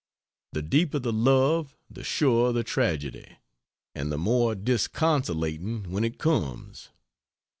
The deeper the love the surer the tragedy. And the more disconsolating when it comes.